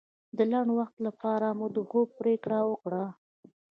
د لنډ وخت لپاره مو د خوب پرېکړه وکړه.